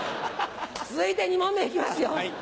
続いて２問目行きますよ。